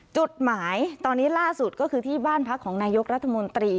จุดหมายตอนนี้ล่าสุดก็คือที่บ้านพักของนายกรัฐมนตรี